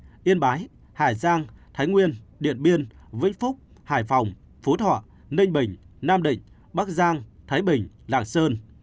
bắc cạn yên bái hải giang thái nguyên điện biên vĩnh phúc hải phòng phú thọ ninh bình nam định bắc giang thái bình lạng sơn